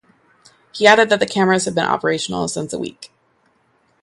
He added that the cameras have been operational since a week.